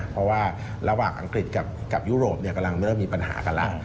เพราะว่าระหว่างอังกฤษกับยุโรปกำลังเริ่มมีปัญหากันแล้ว